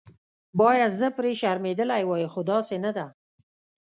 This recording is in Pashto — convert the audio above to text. باید زه پرې شرمېدلې وای خو داسې نه ده.